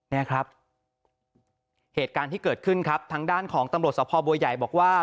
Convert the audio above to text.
เนี่ยครับเหตุการณ์ที่เกิดขึ้นครับทางด้านของตำรวจสภบัวใหญ่บอกว่า